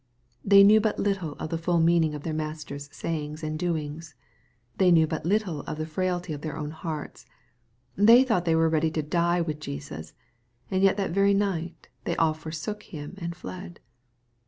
They knew but little of the full meaning of their Master's sayings and doings. They knew but little of the frailty of their own hearts. They thought they were ready to die with Jesus, and yet that very night they all for sook Him and fled.